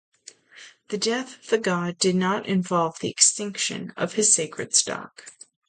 The death of the god did not involve the extinction of his sacred stock.